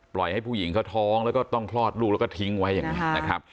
ให้ผู้หญิงเขาท้องแล้วก็ต้องคลอดลูกแล้วก็ทิ้งไว้อย่างนี้นะครับ